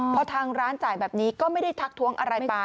พอทางร้านจ่ายแบบนี้ก็ไม่ได้ทักท้วงอะไรไป